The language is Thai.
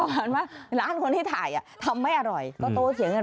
ต้านมาร้านคนที่ถ่ายทำไม่อร่อย